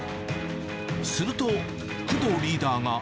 すると、工藤リーダーが。